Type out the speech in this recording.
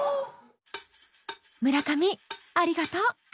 村上ありがとう。